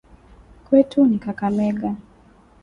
Kwetu ni kakamega